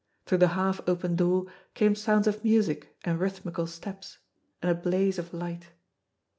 Through the half open door came sounds of music and rhythmical steps, and a blaze of light.